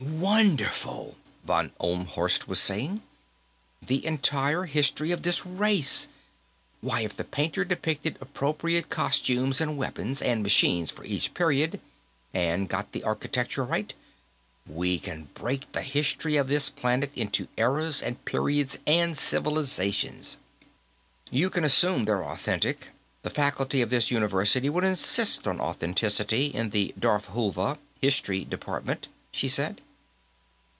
"Wonderful!" von Ohlmhorst was saying. "The entire history of this race. Why, if the painter depicted appropriate costumes and weapons and machines for each period, and got the architecture right, we can break the history of this planet into eras and periods and civilizations." "You can assume they're authentic. The faculty of this university would insist on authenticity in the Darfhulva History Department," she said.